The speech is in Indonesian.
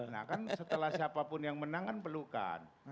nah kan setelah siapapun yang menang kan pelukan